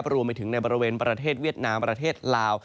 รวมไปถึงในบริเวณประเทศเวียดนามประเทศลาว